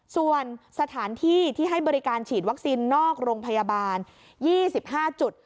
ส่วนสถานที่ที่ให้บริการฉีดวัคซีนนอกโรงพยาบาล๒๕จุด